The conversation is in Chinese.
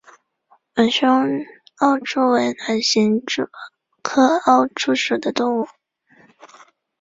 纹胸奥蛛为卵形蛛科奥蛛属的动物。